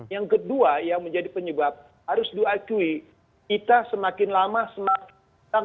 yang kedua yang menjadi penyebab harus diakui kita semakin lama semakin